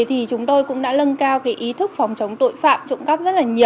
thì chúng tôi cũng đã lân cao cái ý thức phòng chống tội phạm trộm cắp rất là nhiều